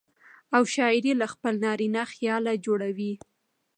او شاعر يې له خپل نارينه خياله جوړوي.